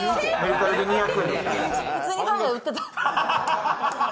普通にファンが売ってた。